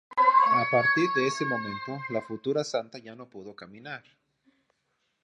A partir de ese momento la futura santa ya no pudo caminar.